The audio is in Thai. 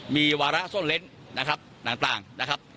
มีวาระซ่อนเล้นนะครับต่างนะครับ